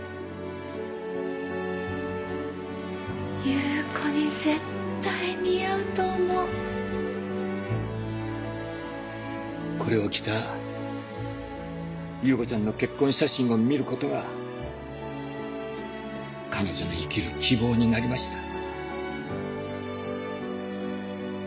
優子に絶対似合うと思うこれを着た優子ちゃんの結婚写真を見ることが彼女の生きる希望になりました。